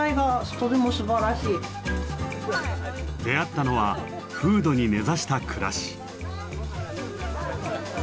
出会ったのは風土に根ざした暮らし。